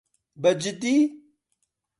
بەجددی؟